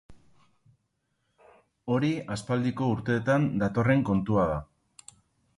Hori aspaldiko urteetan datorren kontua da.